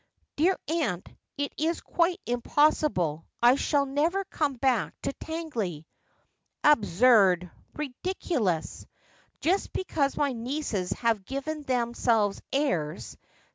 ' Dear aunt, it is quite impossible. I shall never come back to Tangley.' 'Absurd, ridiculous! Just because my nieces have given themselves airs.